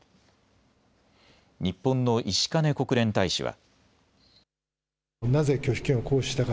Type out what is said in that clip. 日本の石兼国連大使は。